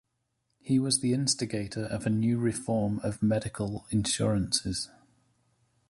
He was the instigator of a new reform of medical insurances.